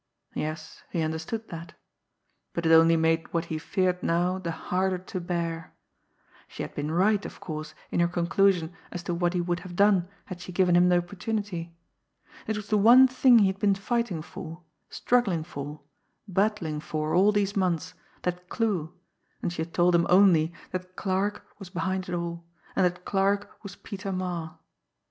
Yes, he understood that but it only made what he feared now the harder to bear. She had been right, of course, in her conclusion as to what he would have done had she given him the opportunity! It was the one thing he had been fighting for, struggling for, battling for all these months, that clue and she had told him only that "Clarke" was behind it all, and that "Clarke" was Peter Marre.